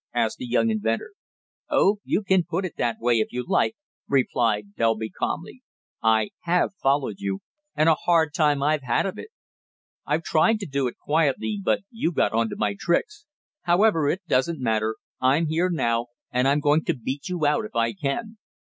asked the young inventor. "Oh, you can put it that way if you like," replied Delby calmly. "I HAVE followed you, and a hard time I've had of it. I tried to do it quietly, but you got on to my tricks. However it doesn't matter. I'm here now, and I'm going to beat you out if I can."